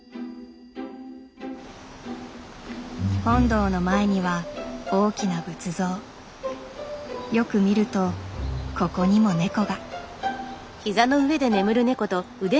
本堂の前には大きな仏像。よく見るとここにもネコが。